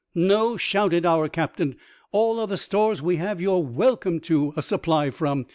" No," shouted our captain ;" all other stores we have you're welcome to a supply from.